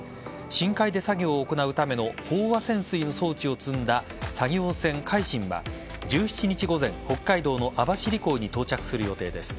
深海で作業を行うための飽和潜水の装置を積んだ作業船「海進」は１７日午前北海道の網走港に到着する予定です。